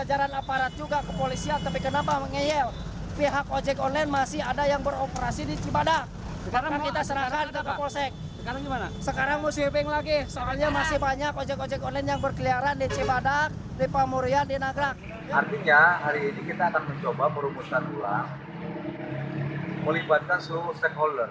artinya hari ini kita akan mencoba perumusan ulang melibatkan seluruh stakeholder